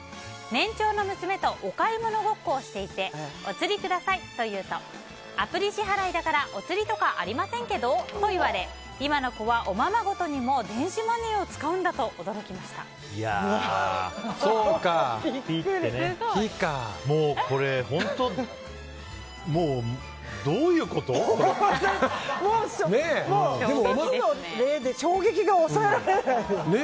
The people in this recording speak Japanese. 年長の娘とお買い物ごっこをしていておつりくださいと言うとアプリ支払いだからおつりとかありませんけど？と言われ今の子は、おままごとにも電子マネーを使うんだとピッとね。